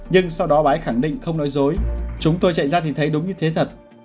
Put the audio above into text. nhưng sau đó bái khẳng định không nói dối chúng tôi chạy ra thì thấy đúng như thế thật